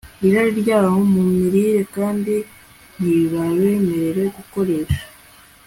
irari ryabo mu mirire kandi ntibabemerere gukoresha